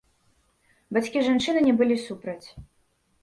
Бацькі жанчыны не былі супраць.